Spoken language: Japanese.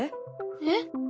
えっ？